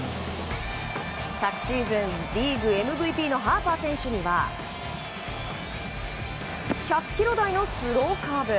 昨シーズン、リーグＭＶＰのハーパー選手には１００キロ台のスローカーブ。